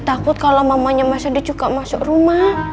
kiki takut kalo mamanya mas rendy juga masuk rumah